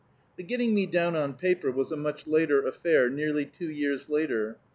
"The getting me down on paper was a much later affair nearly two years later.